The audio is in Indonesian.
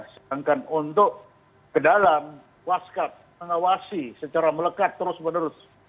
sedangkan untuk ke dalam waskat mengawasi secara melekat terus menerus